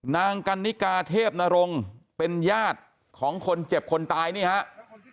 นางกันนิกาเทพนรงค์เป็นญาติของคนเจ็บคนตายนี่ครับ